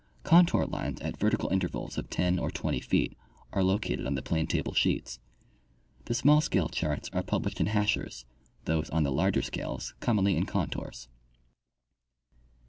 Contour lines at verti cal intervals of 10 or 20 feet are located on the planetable sheets. The small scale charts are published in hachures, those on the larger scales commonly in contours.